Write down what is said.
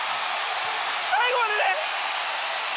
最後までね。